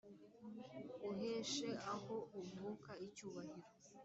uheshe aho uvuka icyubahiro